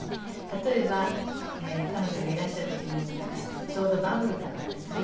例えば彼女がいらした時にちょうどバブルだったんですね。